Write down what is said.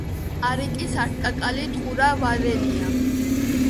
არიკის ართკაკალი ტყურა ვარენია.